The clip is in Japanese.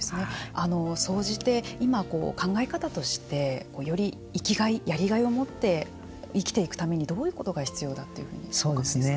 総じて今、考え方としてより生きがい、やりがいを持って生きていくためにどういうことが必要だというふうにお考えですか。